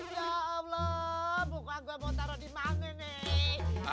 ya allah muka gue mau taruh dimana nih